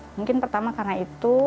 mungkin pertama karena itu